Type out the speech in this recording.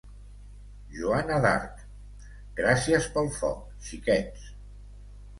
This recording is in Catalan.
Joana d'Arc: gràcies pel foc, xiquets!